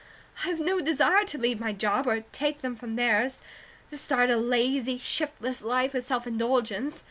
I've no desire to leave my job or take them from theirs, to start a lazy, shiftless life of self indulgence.